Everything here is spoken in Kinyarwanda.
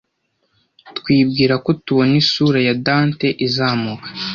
twibwira ko tubona isura ya dante izamuka